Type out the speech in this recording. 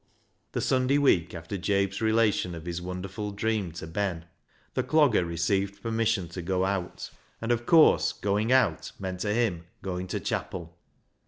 The Sunday week after Jabe's relation of his THE HARMONIUM 367 wonderful dream to Ben, the Clogger received permission to go out, and, of course, going out meant to him going to chapel.